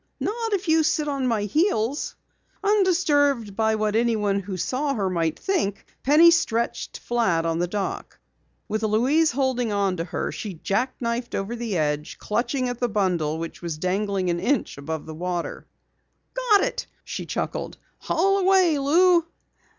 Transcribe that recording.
"Not if you sit on my heels." Undisturbed by what anyone who saw her might think, Penny stretched flat on the dock. With Louise holding to her, she jack knifed over the edge, clutching at the bundle which dangled an inch above the water. "Got it!" she chuckled. "Haul away, Lou."